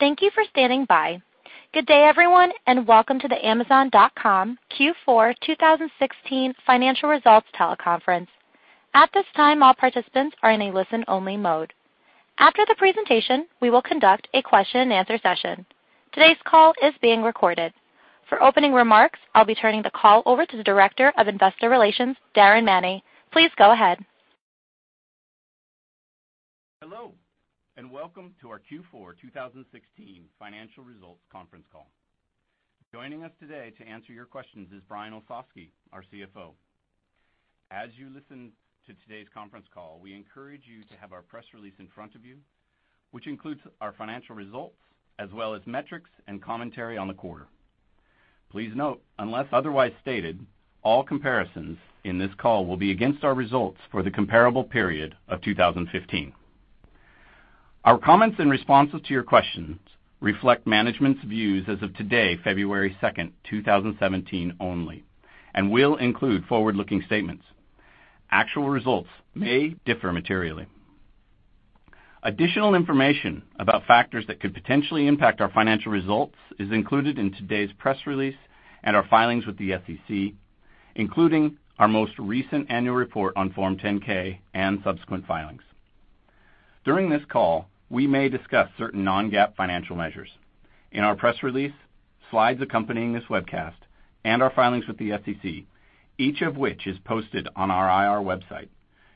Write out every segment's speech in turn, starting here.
Thank you for standing by. Good day, everyone, and welcome to the Amazon.com Q4 2016 financial results teleconference. At this time, all participants are in a listen-only mode. After the presentation, we will conduct a question and answer session. Today's call is being recorded. For opening remarks, I'll be turning the call over to the Director of Investor Relations, Darin Manney. Please go ahead. Hello, welcome to our Q4 2016 financial results conference call. Joining us today to answer your questions is Brian Olsavsky, our CFO. As you listen to today's conference call, we encourage you to have our press release in front of you, which includes our financial results as well as metrics and commentary on the quarter. Please note, unless otherwise stated, all comparisons in this call will be against our results for the comparable period of 2015. Our comments and responses to your questions reflect management's views as of today, February 2nd, 2017, only, and will include forward-looking statements. Actual results may differ materially. Additional information about factors that could potentially impact our financial results is included in today's press release and our filings with the SEC, including our most recent annual report on Form 10-K and subsequent filings. During this call, we may discuss certain non-GAAP financial measures. In our press release, slides accompanying this webcast, our filings with the SEC, each of which is posted on our IR website,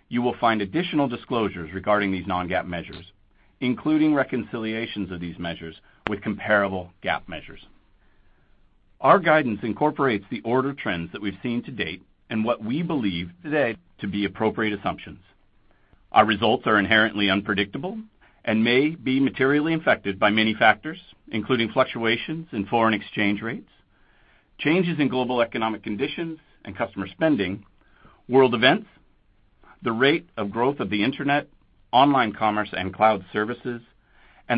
you will find additional disclosures regarding these non-GAAP measures, including reconciliations of these measures with comparable GAAP measures. Our guidance incorporates the order trends that we've seen to date and what we believe today to be appropriate assumptions. Our results are inherently unpredictable and may be materially affected by many factors, including fluctuations in foreign exchange rates, changes in global economic conditions and customer spending, world events, the rate of growth of the internet, online commerce and cloud services,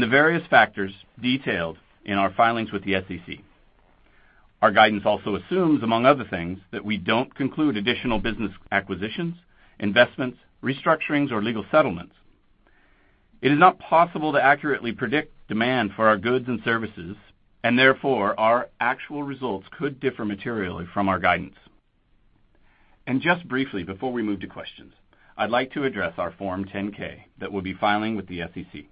the various factors detailed in our filings with the SEC. Our guidance also assumes, among other things, that we do not conclude additional business acquisitions, investments, restructurings, or legal settlements. It is not possible to accurately predict demand for our goods and services, therefore, our actual results could differ materially from our guidance. Just briefly before we move to questions, I'd like to address our Form 10-K that we will be filing with the SEC.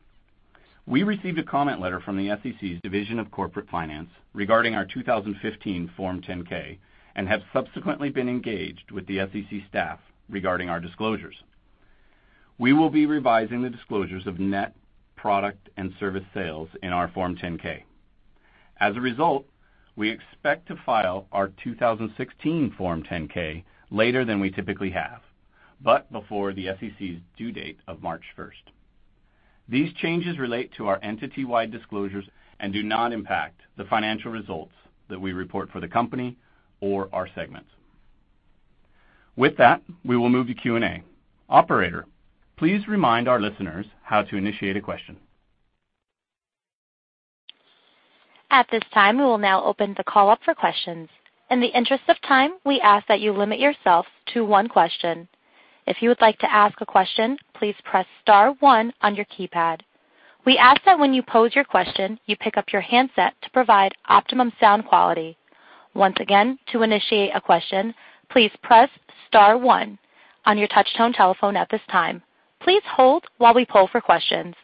We received a comment letter from the SEC's Division of Corporation Finance regarding our 2015 Form 10-K and have subsequently been engaged with the SEC staff regarding our disclosures. We will be revising the disclosures of net product and service sales in our Form 10-K. As a result, we expect to file our 2016 Form 10-K later than we typically have, but before the SEC's due date of March 1st. These changes relate to our entity-wide disclosures and do not impact the financial results that we report for the company or our segments. With that, we will move to Q&A. Operator, please remind our listeners how to initiate a question. At this time, we will now open the call up for questions. In the interest of time, we ask that you limit yourself to one question. If you would like to ask a question, please press star one on your keypad. We ask that when you pose your question, you pick up your handset to provide optimum sound quality. Once again, to initiate a question, please press star one on your touch-tone telephone at this time. Please hold while we poll for questions.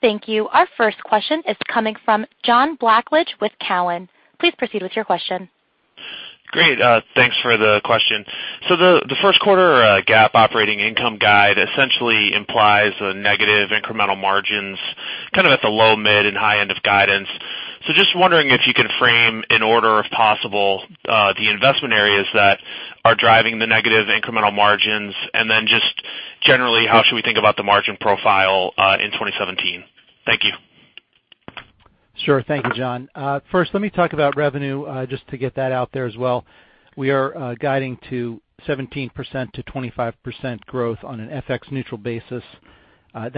Thank you. Our first question is coming from John Blackledge with Cowen. Please proceed with your question. Great. Thanks for the question. The first quarter GAAP operating income guide essentially implies a negative incremental margins, kind of at the low, mid, and high end of guidance. Just wondering if you could frame, in order if possible, the investment areas that are driving the negative incremental margins. Just generally, how should we think about the margin profile in 2017? Thank you. Sure. Thank you, John. First, let me talk about revenue, just to get that out there as well. We are guiding to 17%-25% growth on an FX neutral basis. On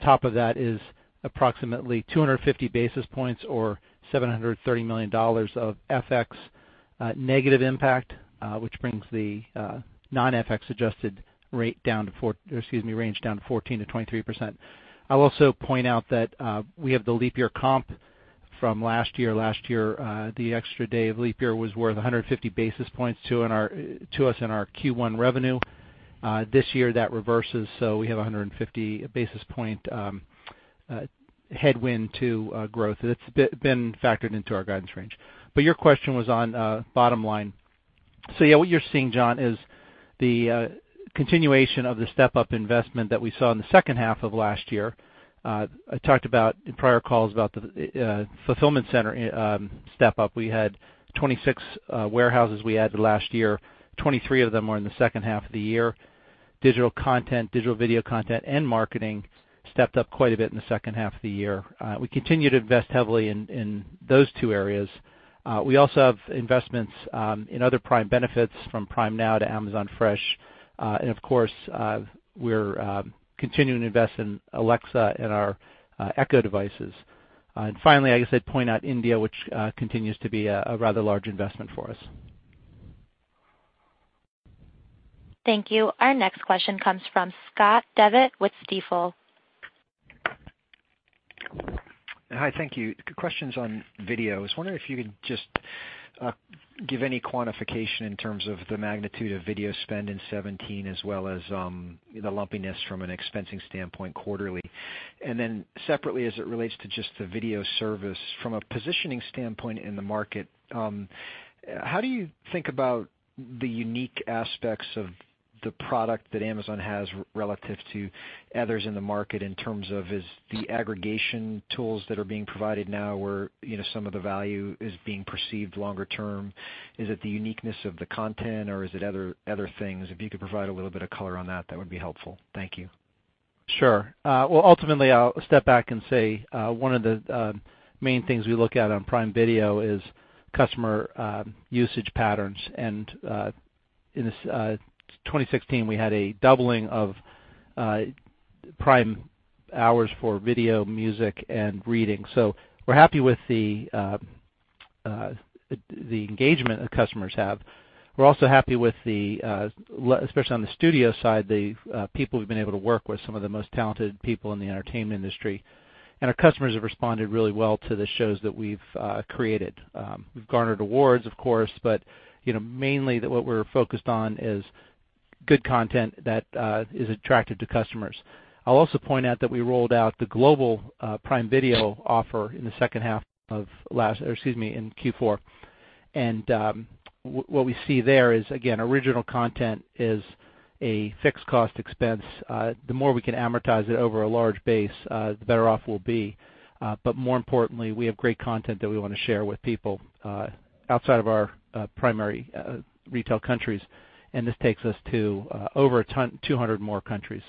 top of that is approximately 250 basis points or $730 million of FX negative impact, which brings the non-FX adjusted range down to 14%-23%. I'll also point out that we have the leap year comp from last year. Last year, the extra day of leap year was worth 150 basis points to us in our Q1 revenue. This year, that reverses, we have 150 basis point headwind to growth, and it's been factored into our guidance range. Your question was on bottom line. Yeah, what you're seeing, John, is the continuation of the step-up investment that we saw in the second half of last year. I talked about in prior calls about the fulfillment center step-up. We had 26 warehouses we added last year, 23 of them were in the second half of the year. Digital content, digital video content, and marketing stepped up quite a bit in the second half of the year. We continue to invest heavily in those two areas. We also have investments in other Prime benefits from Prime Now to Amazon Fresh Of course, we're continuing to invest in Alexa and our Echo devices. Finally, I guess I'd point out India, which continues to be a rather large investment for us. Thank you. Our next question comes from Scott Devitt with Stifel. Hi, thank you. Questions on video. I was wondering if you could just give any quantification in terms of the magnitude of video spend in 2017, as well as the lumpiness from an expensing standpoint quarterly. Separately, as it relates to just the video service, from a positioning standpoint in the market, how do you think about the unique aspects of the product that Amazon has relative to others in the market in terms of is the aggregation tools that are being provided now where some of the value is being perceived longer term? Is it the uniqueness of the content, or is it other things? If you could provide a little bit of color on that would be helpful. Thank you. Well, ultimately, I'll step back and say one of the main things we look at on Prime Video is customer usage patterns. In 2016, we had a doubling of Prime hours for video, music, and reading. We're happy with the engagement that customers have. We're also happy with the, especially on the studio side, the people we've been able to work with, some of the most talented people in the entertainment industry. Our customers have responded really well to the shows that we've created. We've garnered awards, of course, but mainly what we're focused on is good content that is attractive to customers. I'll also point out that we rolled out the global Prime Video offer in Q4. What we see there is, again, original content is a fixed cost expense. The more we can amortize it over a large base, the better off we'll be. More importantly, we have great content that we want to share with people outside of our primary retail countries, and this takes us to over 200 more countries.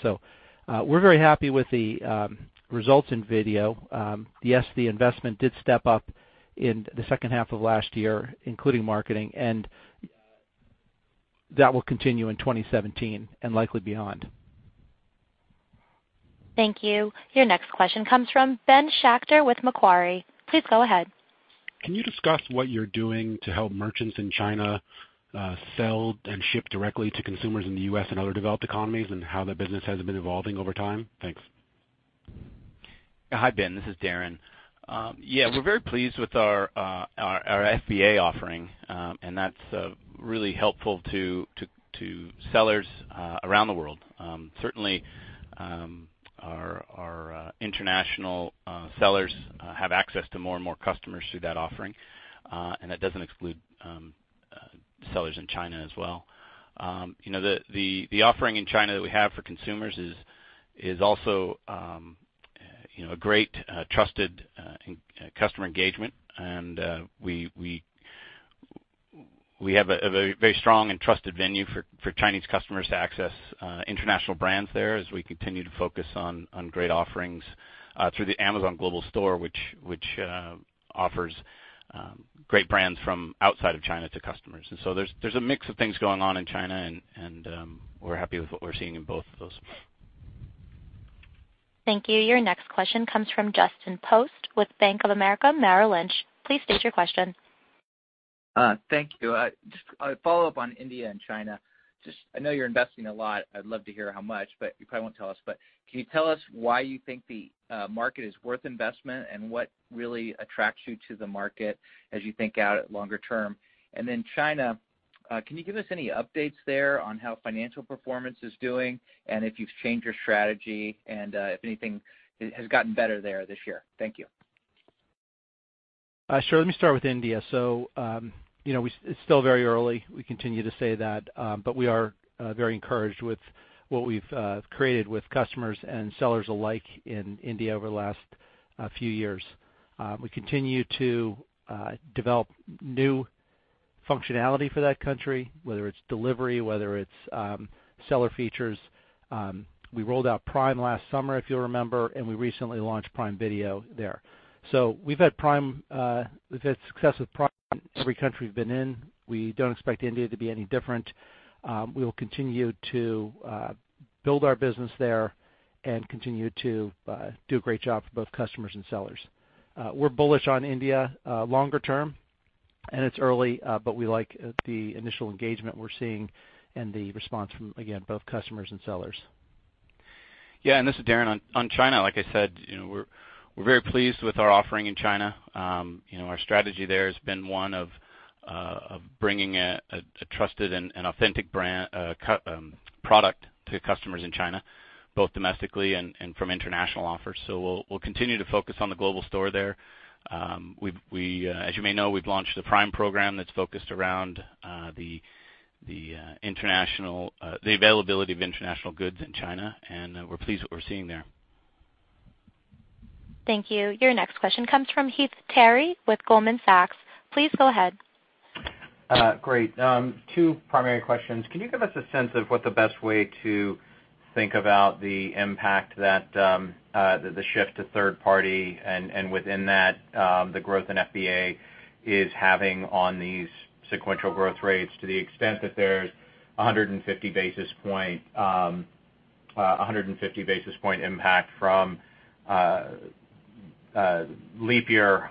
We're very happy with the results in video. Yes, the investment did step up in the second half of last year, including marketing, and that will continue in 2017, and likely beyond. Thank you. Your next question comes from Ben Schachter with Macquarie. Please go ahead. Can you discuss what you're doing to help merchants in China sell and ship directly to consumers in the U.S. and other developed economies, and how that business has been evolving over time? Thanks. Hi, Ben. This is Darin. We're very pleased with our FBA offering, that's really helpful to sellers around the world. Certainly, our international sellers have access to more and more customers through that offering, that doesn't exclude sellers in China as well. The offering in China that we have for consumers is also a great trusted customer engagement, we have a very strong and trusted venue for Chinese customers to access international brands there as we continue to focus on great offerings through the Amazon Global Store, which offers great brands from outside of China to customers. There's a mix of things going on in China, we're happy with what we're seeing in both of those. Thank you. Your next question comes from Justin Post with Bank of America Merrill Lynch. Please state your question. Thank you. A follow-up on India and China. I know you're investing a lot. I'd love to hear how much, you probably won't tell us. Can you tell us why you think the market is worth investment, what really attracts you to the market as you think out at longer term? China, can you give us any updates there on how financial performance is doing, if you've changed your strategy, if anything has gotten better there this year? Thank you. Sure. Let me start with India. It's still very early. We continue to say that, we are very encouraged with what we've created with customers and sellers alike in India over the last few years. We continue to develop new functionality for that country, whether it's delivery, whether it's seller features. We rolled out Prime last summer, if you'll remember, we recently launched Prime Video there. We've had success with Prime in every country we've been in. We don't expect India to be any different. We will continue to build our business there continue to do a great job for both customers and sellers. We're bullish on India longer term, it's early, we like the initial engagement we're seeing the response from, again, both customers and sellers. Yeah, this is Darin. On China, like I said, we're very pleased with our offering in China. Our strategy there has been one of bringing a trusted and authentic product to customers in China, both domestically and from international offers. We'll continue to focus on the Global Store there. As you may know, we've launched the Prime program that's focused around the availability of international goods in China, we're pleased with what we're seeing there. Thank you. Your next question comes from Heath Terry with Goldman Sachs. Please go ahead. Great. Two primary questions. Can you give us a sense of what the best way to Think about the impact that the shift to third party, and within that, the growth in FBA is having on these sequential growth rates to the extent that there's 150 basis point impact from leap year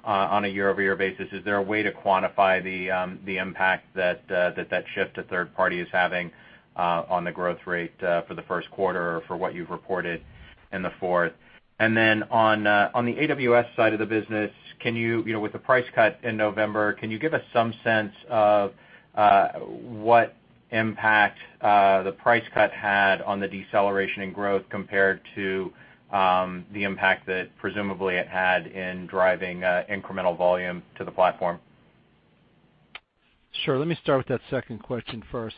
on a year-over-year basis. Is there a way to quantify the impact that that shift to third party is having on the growth rate for the first quarter for what you've reported in the fourth? On the AWS side of the business, with the price cut in November, can you give us some sense of what impact the price cut had on the deceleration in growth compared to the impact that presumably it had in driving incremental volume to the platform? Sure. Let me start with that second question first.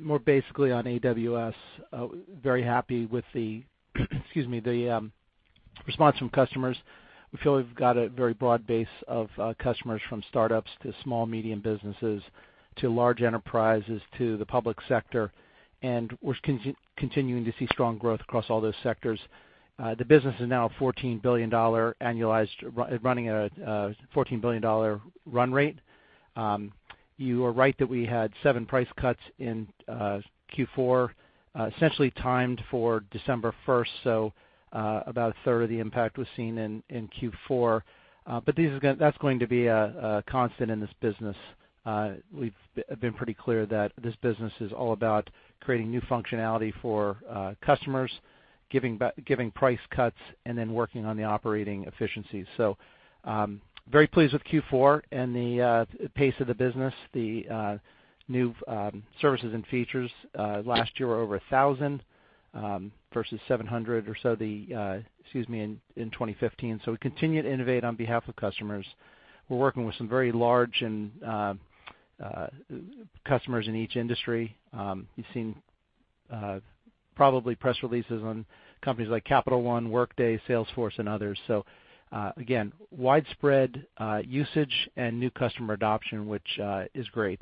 More basically on AWS, very happy with the response from customers. We feel we've got a very broad base of customers, from startups to small, medium businesses, to large enterprises, to the public sector, and we're continuing to see strong growth across all those sectors. The business is now a $14 billion annualized, running at a $14 billion run rate. You are right that we had seven price cuts in Q4, essentially timed for December 1st. About a third of the impact was seen in Q4. That's going to be a constant in this business. We've been pretty clear that this business is all about creating new functionality for customers, giving price cuts, and then working on the operating efficiencies. Very pleased with Q4 and the pace of the business. The new services and features last year were over 1,000 versus 700 or so in 2015. We continue to innovate on behalf of customers. We're working with some very large customers in each industry. You've seen probably press releases on companies like Capital One, Workday, Salesforce, and others. Again, widespread usage and new customer adoption, which is great.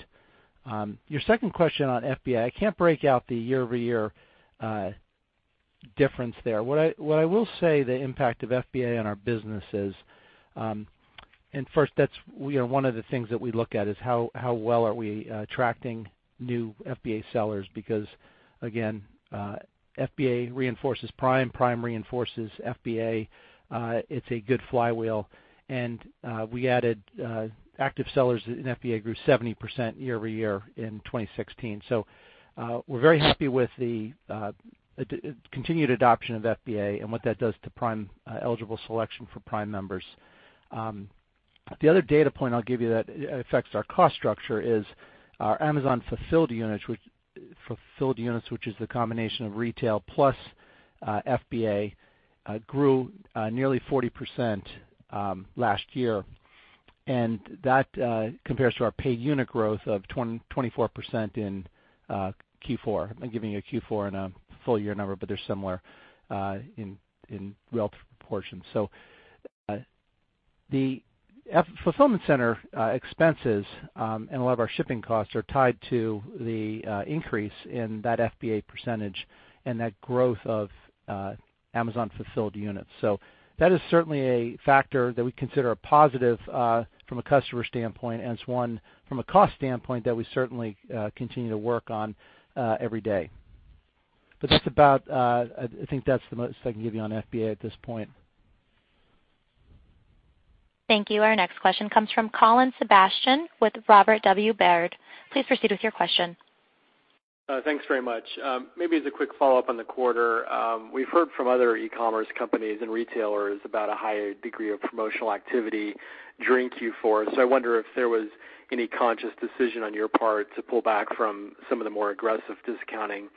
Your second question on FBA, I can't break out the year-over-year difference there. What I will say the impact of FBA on our business is, and first, that's one of the things that we look at is how well are we attracting new FBA sellers because, again, FBA reinforces Prime reinforces FBA. It's a good flywheel. We added active sellers in FBA grew 70% year-over-year in 2016. We're very happy with the continued adoption of FBA and what that does to Prime eligible selection for Prime members. The other data point I'll give you that affects our cost structure is our Amazon fulfilled units, which is the combination of retail plus FBA, grew nearly 40% last year, and that compares to our paid unit growth of 24% in Q4. I'm giving you a Q4 and a full-year number, but they're similar in relative proportion. The fulfillment center expenses, and a lot of our shipping costs are tied to the increase in that FBA percentage and that growth of Amazon fulfilled units. That is certainly a factor that we consider a positive, from a customer standpoint, and it's one from a cost standpoint that we certainly continue to work on every day. I think that's the most I can give you on FBA at this point. Thank you. Our next question comes from Colin Sebastian with Robert W. Baird. Please proceed with your question. Thanks very much. Maybe as a quick follow-up on the quarter. We've heard from other e-commerce companies and retailers about a higher degree of promotional activity during Q4. I wonder if there was any conscious decision on your part to pull back from some of the more aggressive discounting.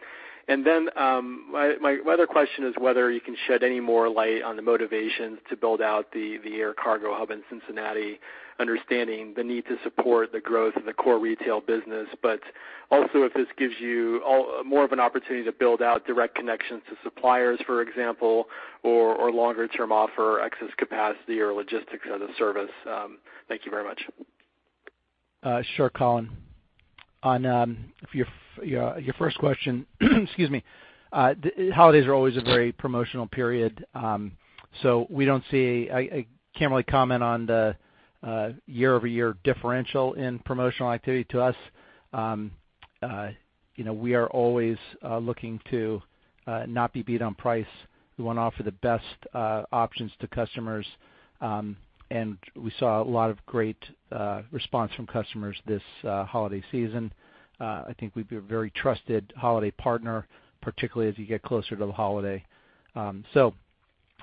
My other question is whether you can shed any more light on the motivations to build out the air cargo hub in Cincinnati, understanding the need to support the growth of the core retail business, but also if this gives you more of an opportunity to build out direct connections to suppliers, for example, or longer-term offer excess capacity or logistics as a service. Thank you very much. Sure, Colin. On your first question, holidays are always a very promotional period, so I can't really comment on the year-over-year differential in promotional activity to us. We are always looking to not be beat on price. We want to offer the best options to customers. We saw a lot of great response from customers this holiday season. I think we've been a very trusted holiday partner, particularly as you get closer to the holiday.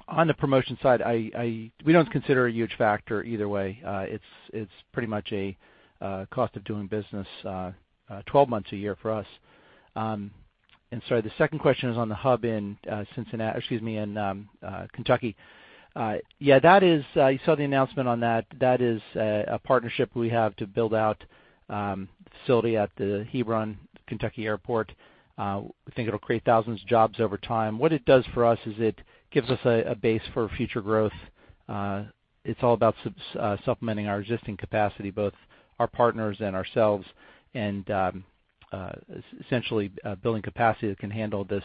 On the promotion side, we don't consider it a huge factor either way. It's pretty much a cost of doing business 12 months a year for us. Sorry, the second question is on the hub in Kentucky. Yeah, you saw the announcement on that. That is a partnership we have to build out a facility at the Hebron Kentucky Airport. We think it'll create thousands of jobs over time. What it does for us is it gives us a base for future growth. It's all about supplementing our existing capacity, both our partners and ourselves, and essentially building capacity that can handle this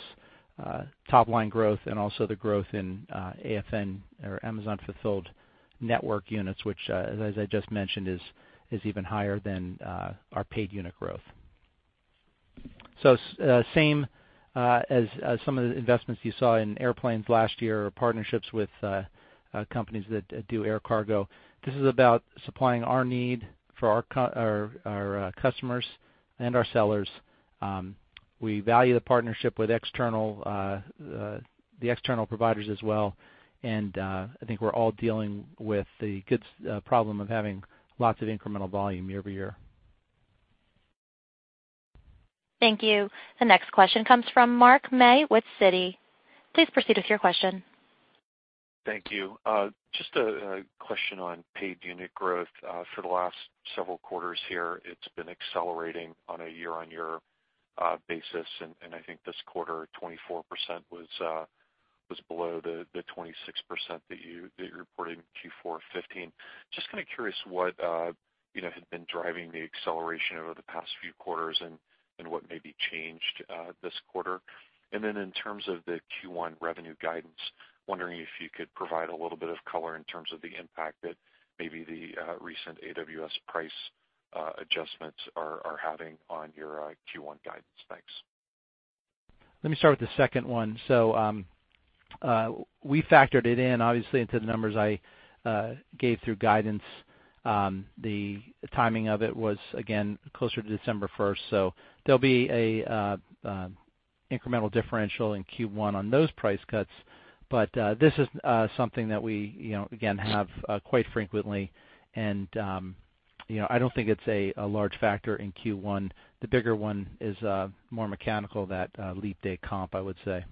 top-line growth and also the growth in AFN or Amazon Fulfilled Network units, which, as I just mentioned, is even higher than our paid unit growth. Same as some of the investments you saw in airplanes last year, or partnerships with companies that do air cargo. This is about supplying our need for our customers and our sellers. We value the partnership with the external providers as well, and I think we're all dealing with the good problem of having lots of incremental volume year-over-year. Thank you. The next question comes from Mark May with Citi. Please proceed with your question. Thank you. Just a question on paid unit growth. For the last several quarters here, it has been accelerating on a year-on-year basis, and I think this quarter, 24% was below the 26% that you reported in Q4 2015. Just kind of curious what had been driving the acceleration over the past few quarters, and what maybe changed this quarter? In terms of the Q1 revenue guidance, wondering if you could provide a little bit of color in terms of the impact that maybe the recent AWS price adjustments are having on your Q1 guidance. Thanks. Let me start with the second one. We factored it in, obviously, into the numbers I gave through guidance. The timing of it was, again, closer to December 1st. There will be an incremental differential in Q1 on those price cuts. This is something that we, again, have quite frequently, and I do not think it is a large factor in Q1. The bigger one is more mechanical, that leap day comp, I would say.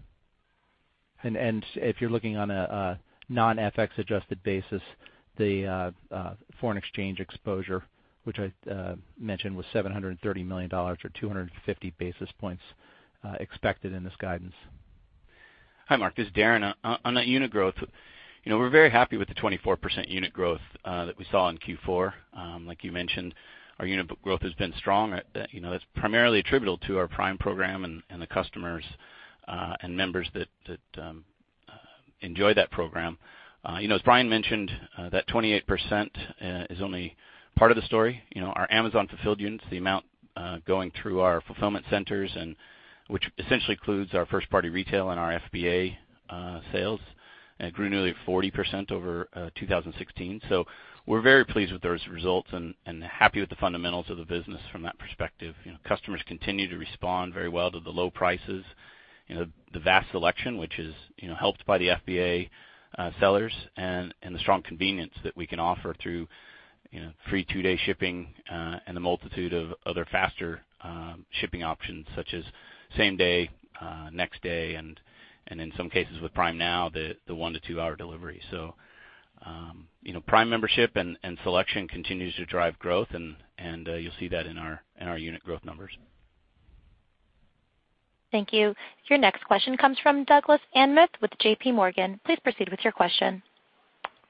If you are looking on a non-FX-adjusted basis, the foreign exchange exposure, which I mentioned was $730 million or 250 basis points, expected in this guidance. Hi, Mark, this is Darin. On that unit growth, we are very happy with the 24% unit growth that we saw in Q4. Like you mentioned, our unit growth has been strong. That is primarily attributable to our Prime program and the customers and members that enjoy that program. As Brian mentioned, that 28% is only part of the story. Our Amazon Fulfilled units, the amount going through our fulfillment centers, which essentially includes our first-party retail and our FBA sales, grew nearly 40% over 2016. We are very pleased with those results and happy with the fundamentals of the business from that perspective. Customers continue to respond very well to the low prices, the vast selection, which is helped by the FBA sellers, and the strong convenience that we can offer through free two-day shipping and a multitude of other faster shipping options, such as same-day, next-day, and in some cases with Prime Now, the one- to two-hour delivery. Prime membership and selection continues to drive growth, and you will see that in our unit growth numbers. Thank you. Your next question comes from Douglas Anmuth with JPMorgan. Please proceed with your question.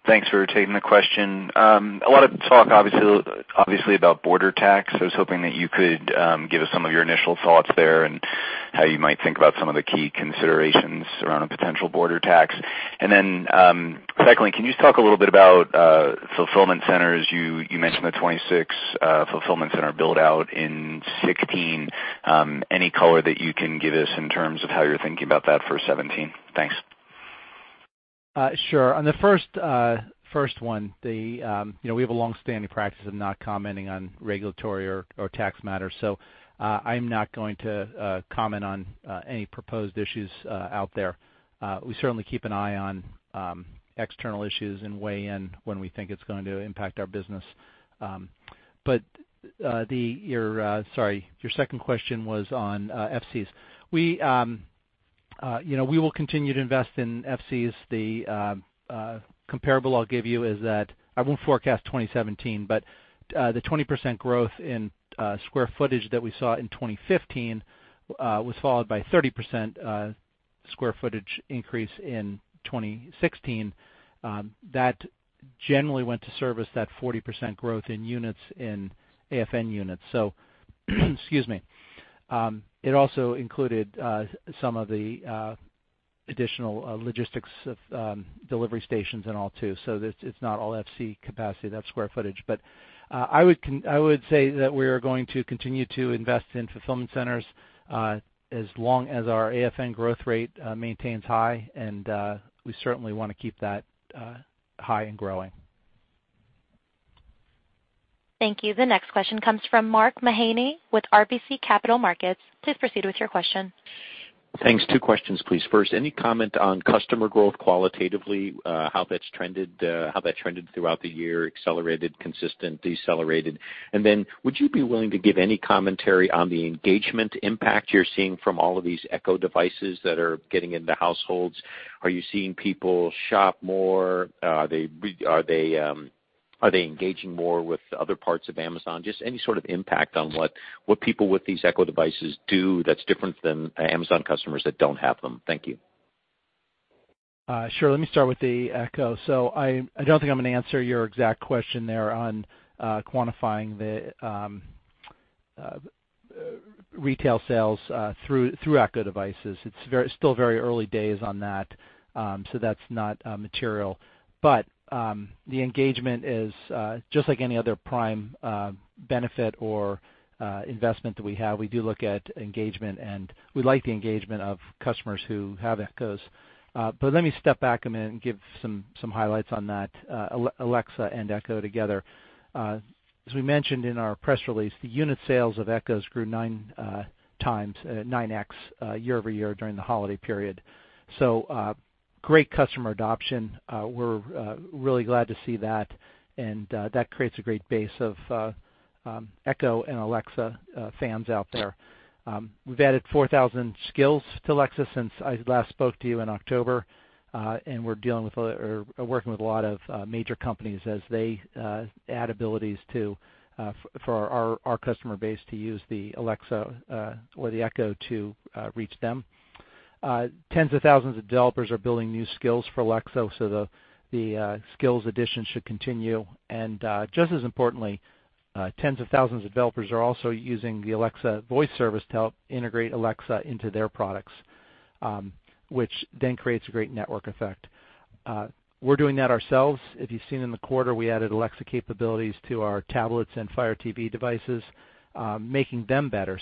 Thanks for taking the question. A lot of talk, obviously, about border tax. I was hoping that you could give us some of your initial thoughts there and how you might think about some of the key considerations around a potential border tax. Secondly, can you just talk a little bit about fulfillment centers? You mentioned the 26 fulfillment center build-out in 2016. Any color that you can give us in terms of how you're thinking about that for 2017? Thanks. Sure. On the first one, we have a long-standing practice of not commenting on regulatory or tax matters. I'm not going to comment on any proposed issues out there. We certainly keep an eye on external issues and weigh in when we think it's going to impact our business. Your second question was on FCs. We will continue to invest in FCs. The comparable I'll give you is that I won't forecast 2017, but the 20% growth in square footage that we saw in 2015 was followed by 30% square footage increase in 2016. That generally went to service that 40% growth in AFN units. Excuse me. It also included some of the additional logistics of delivery stations and all, too. It's not all FC capacity, that square footage. I would say that we are going to continue to invest in fulfillment centers as long as our AFN growth rate maintains high, and we certainly want to keep that high and growing. Thank you. The next question comes from Mark Mahaney with RBC Capital Markets. Please proceed with your question. Thanks. Two questions, please. First, any comment on customer growth qualitatively, how that trended throughout the year, accelerated, consistent, decelerated? Would you be willing to give any commentary on the engagement impact you're seeing from all of these Echo devices that are getting into households? Are you seeing people shop more? Are they engaging more with other parts of Amazon? Just any sort of impact on what people with these Echo devices do that's different than Amazon customers that don't have them. Thank you. Sure. Let me start with the Echo. I don't think I'm going to answer your exact question there on quantifying the retail sales through Echo devices. It's still very early days on that's not material. The engagement is just like any other Prime benefit or investment that we have. We do look at engagement, and we like the engagement of customers who have Echos. Let me step back a minute and give some highlights on that, Alexa and Echo together. As we mentioned in our press release, the unit sales of Echos grew nine times, nine X, year-over-year during the holiday period. Great customer adoption. We're really glad to see that, and that creates a great base of Echo and Alexa fans out there. We've added 4,000 skills to Alexa since I last spoke to you in October. We're working with a lot of major companies as they add abilities for our customer base to use the Alexa or the Echo to reach them. Tens of thousands of developers are building new skills for Alexa, the skills addition should continue. Just as importantly, tens of thousands of developers are also using the Alexa Voice Service to help integrate Alexa into their products, which then creates a great network effect. We're doing that ourselves. If you've seen in the quarter, we added Alexa capabilities to our tablets and Fire TV devices, making them better.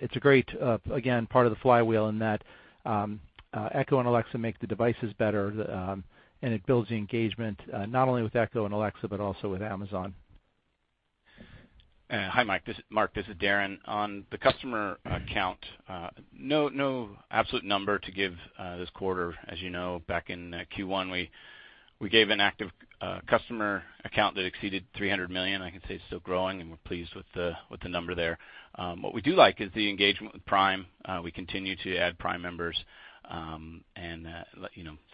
It's a great, again, part of the flywheel in that Echo and Alexa make the devices better, and it builds the engagement, not only with Echo and Alexa, but also with Amazon. Hi, Mark. This is Darin. On the customer count, no absolute number to give this quarter. As you know, back in Q1, we gave an active customer account that exceeded 300 million. I can say it's still growing, and we're pleased with the number there. What we do like is the engagement with Prime. We continue to add Prime members, and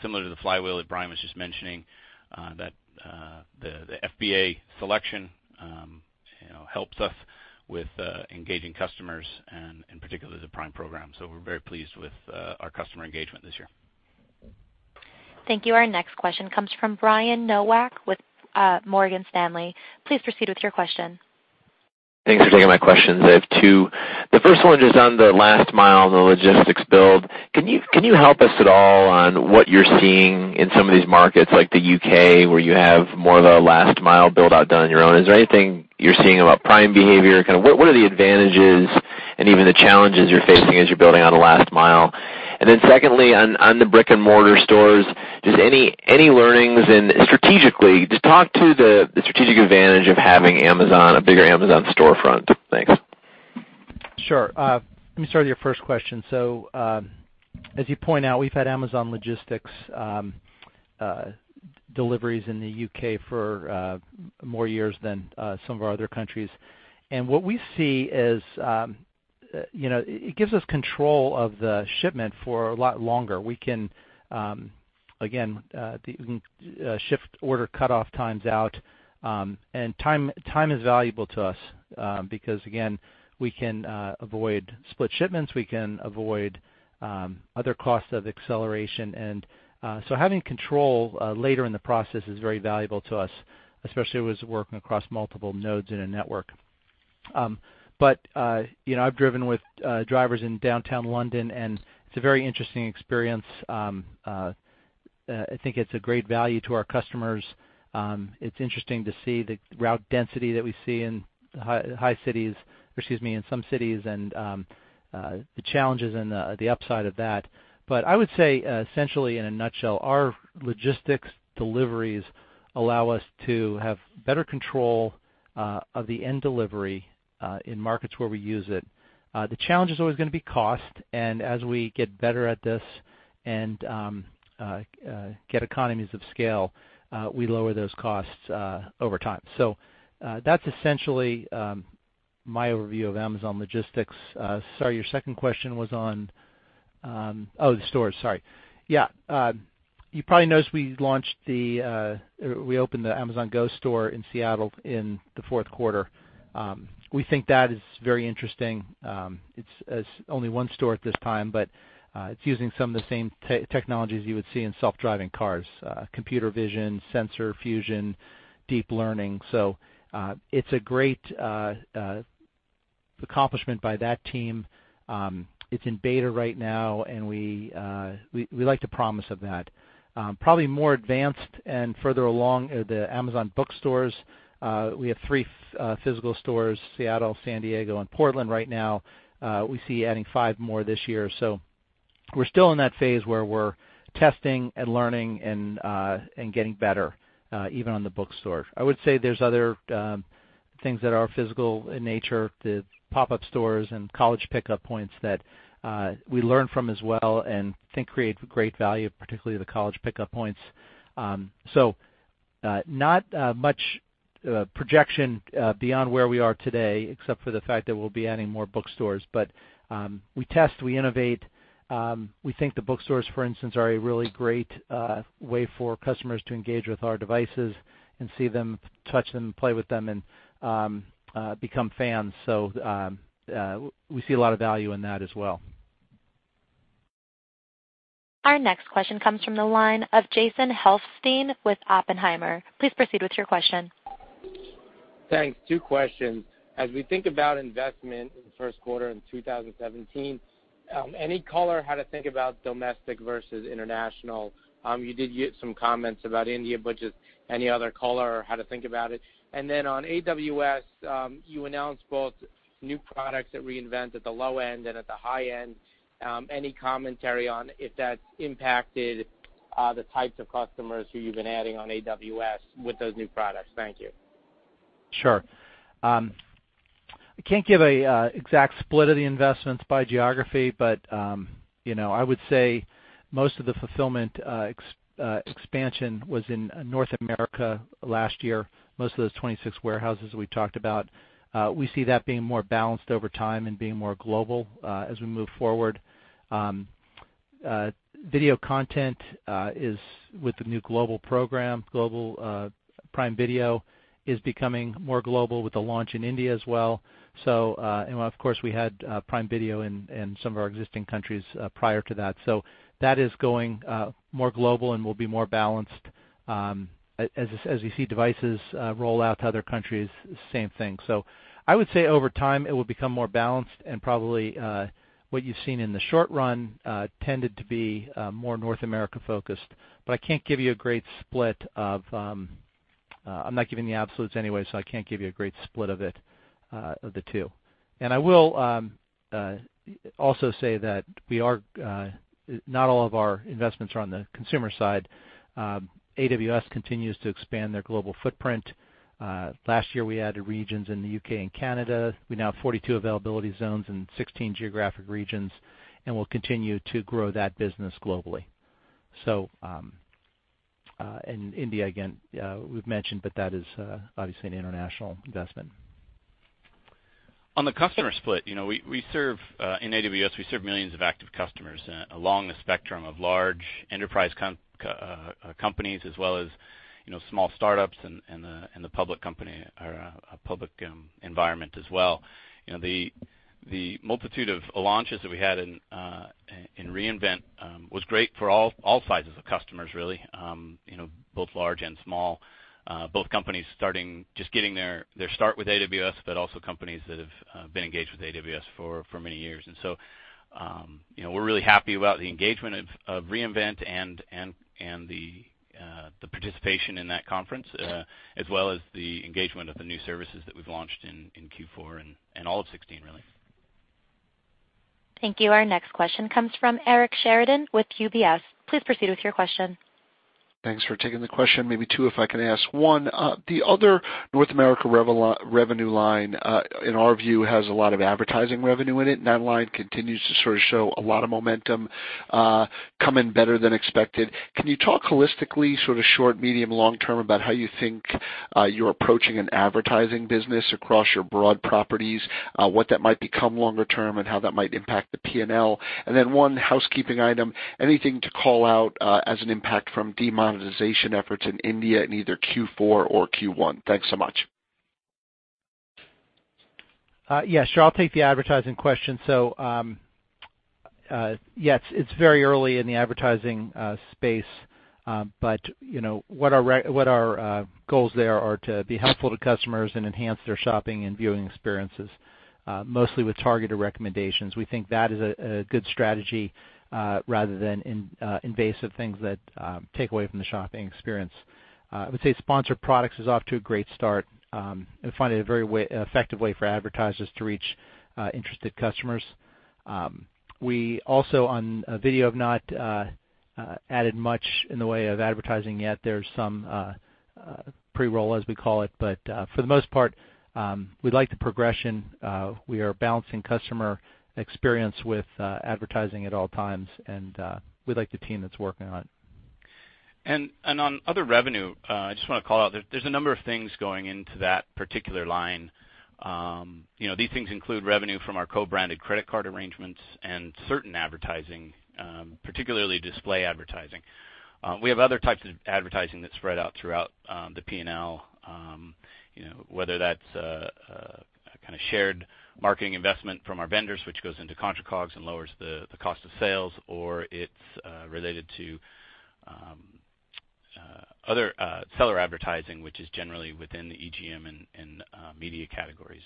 similar to the flywheel that Brian was just mentioning, the FBA selection helps us with engaging customers and in particular the Prime program. We're very pleased with our customer engagement this year. Thank you. Our next question comes from Brian Nowak with Morgan Stanley. Please proceed with your question. Thanks for taking my questions. I have two. The first one is on the last mile, the logistics build. Can you help us at all on what you're seeing in some of these markets, like the U.K., where you have more of a last-mile build-out done on your own? Is there anything you're seeing about Prime behavior? What are the advantages and even the challenges you're facing as you're building on the last mile? Secondly, on the brick-and-mortar stores, just any learnings, and strategically, just talk to the strategic advantage of having a bigger Amazon storefront. Thanks. Sure. Let me start with your first question. As you point out, we've had Amazon Logistics deliveries in the U.K. for more years than some of our other countries. What we see is, it gives us control of the shipment for a lot longer. We can, again, shift order cutoff times out. Time is valuable to us, because, again, we can avoid split shipments, we can avoid other costs of acceleration. Having control later in the process is very valuable to us, especially with working across multiple nodes in a network. I've driven with drivers in downtown London, and it's a very interesting experience. I think it's a great value to our customers. It's interesting to see the route density that we see in some cities, and the challenges and the upside of that. I would say, essentially, in a nutshell, our logistics deliveries allow us to have better control of the end delivery, in markets where we use it. The challenge is always going to be cost, and as we get better at this and get economies of scale, we lower those costs over time. That's essentially my overview of Amazon Logistics. Sorry, your second question was on the stores, sorry. Yeah. You probably noticed we opened the Amazon Go store in Seattle in the fourth quarter. We think that is very interesting. It's only one store at this time, but it's using some of the same technologies you would see in self-driving cars, computer vision, sensor fusion, deep learning. It's a great accomplishment by that team. It's in beta right now, and we like the promise of that. Probably more advanced and further along are the Amazon bookstores. We have three physical stores, Seattle, San Diego, and Portland right now. We see adding five more this year. We're still in that phase where we're testing and learning and getting better, even on the bookstore. I would say there's other things that are physical in nature, the pop-up stores and college pickup points that we learn from as well and think create great value, particularly the college pickup points. Not much projection beyond where we are today, except for the fact that we'll be adding more bookstores. We test, we innovate. We think the bookstores, for instance, are a really great way for customers to engage with our devices and see them, touch them, play with them, and become fans. We see a lot of value in that as well. Our next question comes from the line of Jason Helfstein with Oppenheimer. Please proceed with your question. Thanks. Two questions. As we think about investment in the first quarter in 2017, any color how to think about domestic versus international? You did get some comments about India, but just any other color or how to think about it. On AWS, you announced both new products at re:Invent at the low end and at the high end. Any commentary on if that's impacted the types of customers who you've been adding on AWS with those new products? Thank you. Sure. I can't give an exact split of the investments by geography. I would say most of the fulfillment expansion was in North America last year, most of those 26 warehouses we talked about. We see that being more balanced over time and being more global as we move forward. Video content is with the new global program. Prime Video is becoming more global with the launch in India as well. Of course, we had Prime Video in some of our existing countries prior to that. That is going more global and will be more balanced. As you see devices roll out to other countries, same thing. I would say over time, it will become more balanced, and probably what you've seen in the short run tended to be more North America-focused. I'm not giving the absolutes anyway, so I can't give you a great split of the two. I will also say that not all of our investments are on the consumer side. AWS continues to expand their global footprint. Last year, we added regions in the U.K. and Canada. We now have 42 availability zones in 16 geographic regions, and we'll continue to grow that business globally. India, again, we've mentioned, but that is obviously an international investment. On the customer split, in AWS, we serve millions of active customers along the spectrum of large enterprise companies as well as small startups, and the public environment as well. The multitude of launches that we had in re:Invent was great for all sizes of customers, really, both large and small. Both companies just getting their start with AWS, but also companies that have been engaged with AWS for many years. We're really happy about the engagement of re:Invent and the participation in that conference, as well as the engagement of the new services that we've launched in Q4 and all of 2016, really. Thank you. Our next question comes from Eric Sheridan with UBS. Please proceed with your question. Thanks for taking the question. Maybe two, if I can ask. One, the other North America revenue line, in our view, has a lot of advertising revenue in it, and that line continues to sort of show a lot of momentum, come in better than expected. Can you talk holistically, sort of short, medium, long-term, about how you think you're approaching an advertising business across your broad properties, what that might become longer term, and how that might impact the P&L? Then one housekeeping item, anything to call out as an impact from demonetization efforts in India in either Q4 or Q1? Thanks so much. Sure. I'll take the advertising question. Yes, it's very early in the advertising space. What our goals there are to be helpful to customers and enhance their shopping and viewing experiences, mostly with targeted recommendations. We think that is a good strategy rather than invasive things that take away from the shopping experience. I would say Sponsored Products is off to a great start, and find it a very effective way for advertisers to reach interested customers. We also, on video, have not added much in the way of advertising yet. There's some pre-roll, as we call it. For the most part, we like the progression. We are balancing customer experience with advertising at all times, and we like the team that's working on it. On other revenue, I just want to call out, there's a number of things going into that particular line. These things include revenue from our co-branded credit card arrangements and certain advertising, particularly display advertising. We have other types of advertising that spread out throughout the P&L, whether that's a kind of shared marketing investment from our vendors, which goes into contra COGS and lowers the cost of sales, or it's related to other seller advertising, which is generally within the EGM and media categories.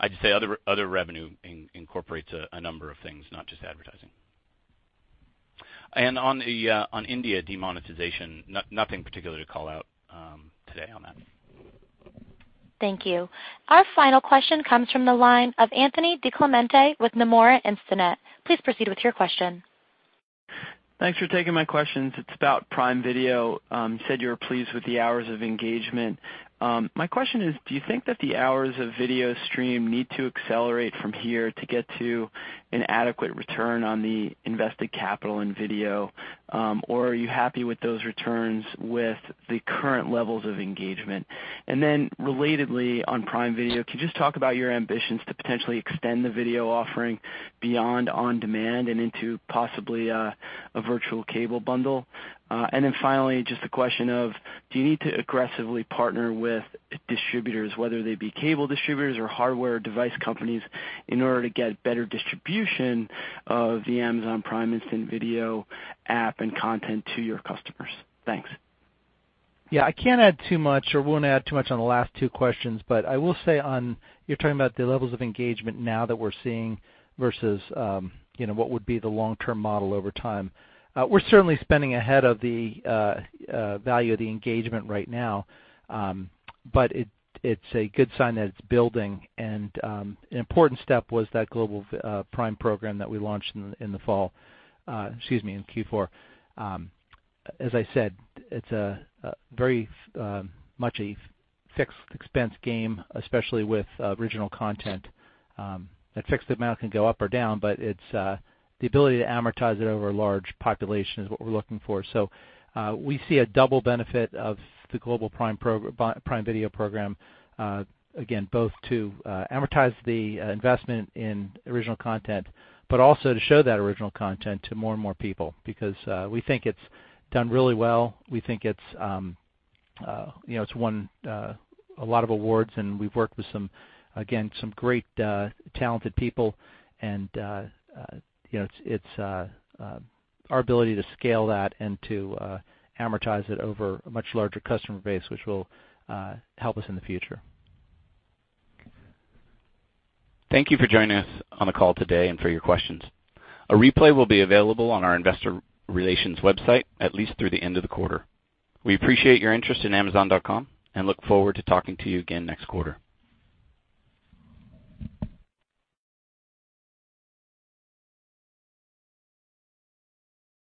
I'd say other revenue incorporates a number of things, not just advertising. On India demonetization, nothing particular to call out today on that. Thank you. Our final question comes from the line of Anthony DiClemente with Nomura Instinet. Please proceed with your question. Thanks for taking my questions. It is about Prime Video. You said you were pleased with the hours of engagement. My question is, do you think that the hours of video stream need to accelerate from here to get to an adequate return on the invested capital in video? Are you happy with those returns with the current levels of engagement? Relatedly, on Prime Video, can you just talk about your ambitions to potentially extend the video offering beyond on-demand and into possibly a virtual cable bundle? Finally, just a question of, do you need to aggressively partner with distributors, whether they be cable distributors or hardware device companies, in order to get better distribution of the Amazon Prime Instant Video app and content to your customers? Thanks. I cannot add too much or will not add too much on the last two questions, but I will say on, you are talking about the levels of engagement now that we are seeing versus what would be the long-term model over time. We are certainly spending ahead of the value of the engagement right now. It is a good sign that it is building, and an important step was that global Prime program that we launched in Q4. As I said, it is very much a fixed expense game, especially with original content. That fixed amount can go up or down, but it is the ability to amortize it over a large population is what we are looking for. We see a double benefit of the global Prime Video program, again, both to amortize the investment in original content, but also to show that original content to more and more people, because we think it has done really well. We think it has won a lot of awards, and we have worked with some, again, some great talented people, and it is our ability to scale that and to amortize it over a much larger customer base, which will help us in the future. Thank you for joining us on the call today and for your questions. A replay will be available on our Investor Relations website, at least through the end of the quarter. We appreciate your interest in Amazon.com and look forward to talking to you again next quarter.